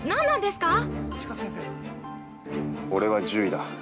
俺は獣医だ。